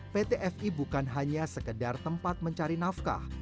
pt fi bukan hanya sekedar tempat mencari nafkah